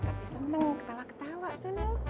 tapi seneng ketawa ketawa tuh